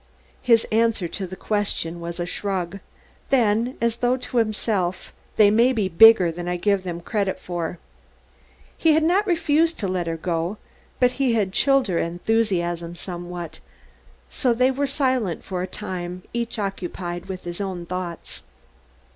His answer to the question was a shrug. Then, as though to himself, "They may be bigger than I give them credit for." He had not refused to let her go, but he had chilled her enthusiasm somewhat so they were silent for a time, each occupied with his own thoughts.